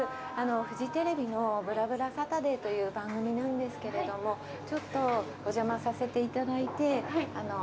フジテレビの『ぶらぶらサタデー』という番組なんですけれどもちょっとお邪魔させていただいてカレーパンなど食べさせて。